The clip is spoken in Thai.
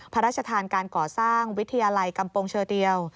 พระราชทานการก่อสร้างวิทยาลัยกำปงเชอเดียว